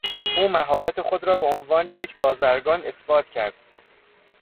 او مهارت خود را به عنوان یک بازرگان اثبات کرد.